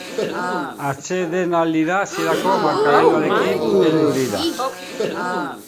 Atsedenaldira hasierako markagailuarekin heldu dira.